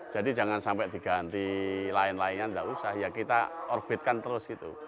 jadi jangan sampai diganti lain lainnya enggak usah ya kita orbitkan terus gitu